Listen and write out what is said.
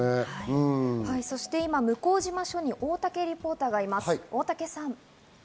そして今、向島署に大竹リポーターがいます。